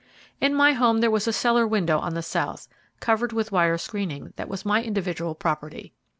In my home there was a cellar window on the south, covered with wire screening, that was my individual property.